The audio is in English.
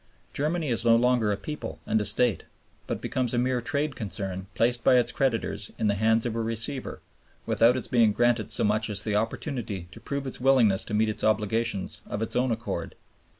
Germany is no longer a people and a State, but becomes a mere trade concern placed by its creditors in the hands of a receiver, without its being granted so much as the opportunity to prove its willingness to meet its obligations of its own accord.